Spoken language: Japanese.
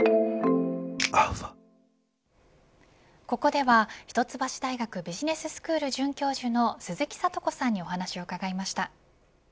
ここでは、一橋大学ビジネススクール准教授の鈴木智子さんにお話を伺いました。